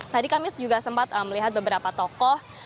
tadi kami juga sempat melihat beberapa tokoh